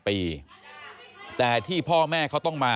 ไอ้แม่ได้เอาแม่ได้เอาแม่